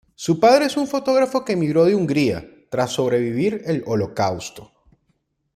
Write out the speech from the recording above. Su padre es un fotógrafo que emigró de Hungría, tras sobrevivir el Holocausto.